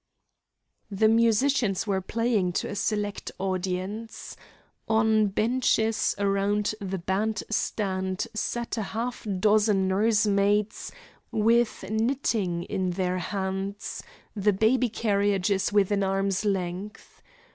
The musicians were playing to a select audience. On benches around the band stand sat a half dozen nurse maids with knitting in their hands, the baby carriages within arm's length.